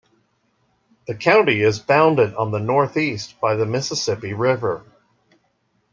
The county is bounded on the northeast by the Mississippi River.